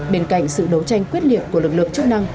bên cạnh sự đấu tranh quyết liệt của lực lượng